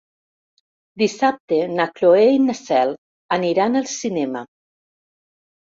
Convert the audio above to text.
Dissabte na Cloè i na Cel aniran al cinema.